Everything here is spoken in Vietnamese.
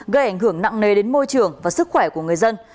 gây ảnh hưởng nặng nề đến môi trường và sức khỏe của người dân